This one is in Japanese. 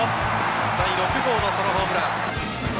第６号のソロホームラン。